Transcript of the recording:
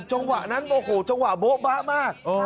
จังหวะนั้นโอ้โหจังหวะโบ๊บะมาก